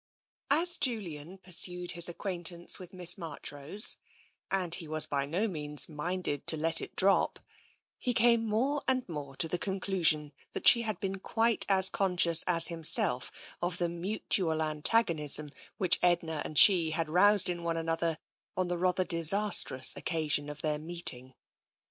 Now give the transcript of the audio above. \ As Julian pursued his acquaintance with Miss Marchrose — and he was by no means minded to let it drop — he came more and more to the conclusion that she had been quite as conscious as himself of the mutual antagonism which Edna and she had roused in one another on the rather disastrous occasion of their meeting.